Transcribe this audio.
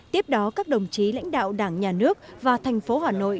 tiếp đó các đồng chí lãnh đạo đảng nhà nước và thành phố hà nội